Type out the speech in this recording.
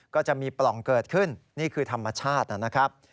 ก็จะมีปล่องเกิดขึ้นนี่คือธรรมชาตินะครับ